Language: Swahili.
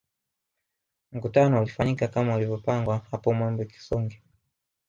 Mkutano ulifanyika kama ulivyopangwa hapo Mwembe Kisonge